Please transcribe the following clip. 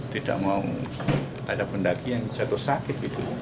tidak mau ada pendaki yang jatuh sakit